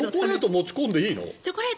チョコレート持ち込んでいいの？